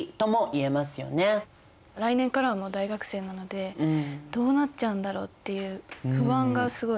来年からはもう大学生なのでどうなっちゃうんだろうっていう不安がすごい。